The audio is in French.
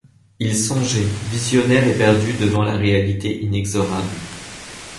Il songeait, visionnaire éperdu devant la réalité inexorable.